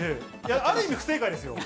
ある意味、不正解ですよ。